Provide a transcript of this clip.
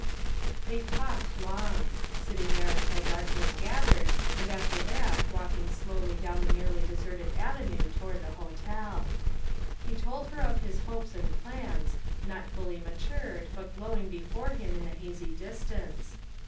They talked long; sitting there until dark FOUR MOTHERS AT CHAUTAUQUA 373 ness gathered, and after that walking slowly down the nearly deserted avenue toward the hotel. He told her of his hopes and plans, not fully matured hut glowing before him in the hazy distance.